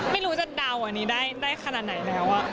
ไม่รู้จะเดาอันนี้ได้ขนาดไหนแล้ว